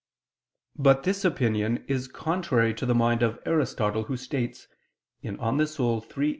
But this opinion is contrary to the mind of Aristotle, who states (De Anima iii, text.